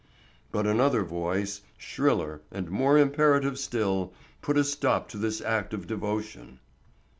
But another voice, shriller and more imperative still, put a stop to this act of devotion.